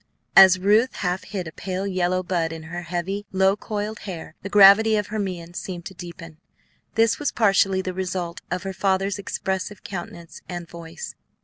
As Ruth half hid a pale yellow bud in her heavy, low coiled hair, the gravity of her mien seemed to deepen. This was partially the result of her father's expressive countenance and voice.